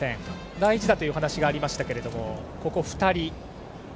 大事だというお話がありましたがここ２人。